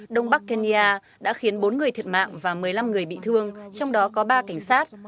đông bắc kenya đã khiến bốn người thiệt mạng và một mươi năm người bị thương trong đó có ba cảnh sát